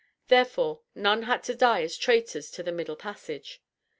Therefore, none had to die as traitors on the "middle passage."